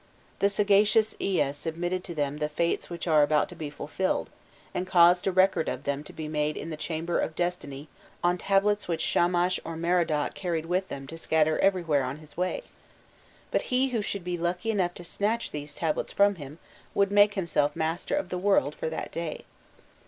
The sagacious Ea submitted to them the fates which are about to be fulfilled, and caused a record of them to be made in the chamber of destiny on tablets which Shamash or Merodach carried with them to scatter everywhere on his way; but he who should be lucky enough to snatch these tablets from him would make himself master of the world for that day.